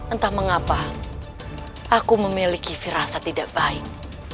entah mengapa aku memiliki firasa tidak baik